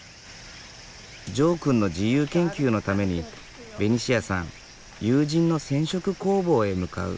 ジョーくんの自由研究のためにベニシアさん友人の染色工房へ向かう。